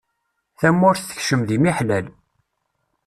Tamurt tekcem di miḥlal.